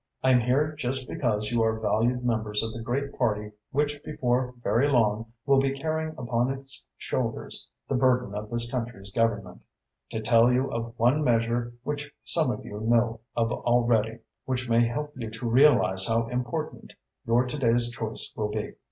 I am here just because you are valued members of the great party which before very long will be carrying upon its shoulders the burden of this country's government, to tell you of one measure which some of you know of already, which may help you to realise how important your to day's choice will be.